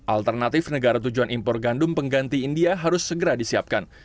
alternatif negara tujuan impor gandum pengganti india harus segera disiapkan